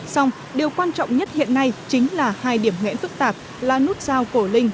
song điều quan trọng nhất hiện nay chính là hai điểm ngã tư tạp là nút sao cổ linh cầu vĩnh tuy